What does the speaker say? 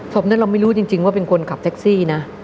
ศพนั้นเราไม่รู้จริงว่าเป็นคนขับแท็กซี่นะ